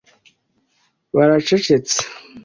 baracecetse